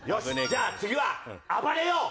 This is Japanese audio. じゃあ次は暴れよう！